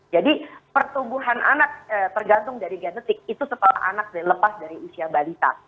jadi pertumbuhan anak tergantung dari genetik itu setelah anak dilepas dari usia balita